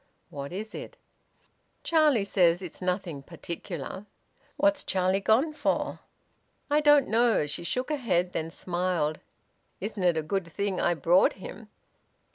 "What is it?" "Charlie says it's nothing particular." "What's Charlie gone for?" "I don't know." She shook her head; then smiled. "Isn't it a good thing I brought him?"